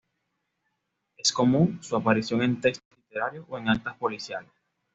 Es común su aparición en textos literarios o en actas policiales.